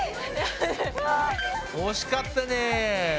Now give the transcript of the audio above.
４２！惜しかったね。